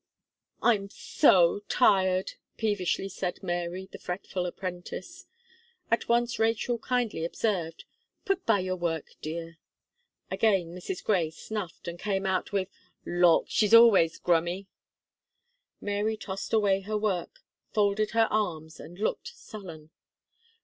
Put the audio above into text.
"I'm so tired!" peevishly said Mary, the fretful apprentice. At once Rachel kindly observed: "Put by your work, dear." Again Mrs. Gray snuffed, and came out with: "Lawk! she's always grummy!" Mary tossed away her work, folded her arms, and looked sullen.